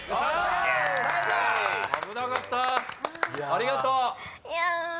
ありがとう！いや。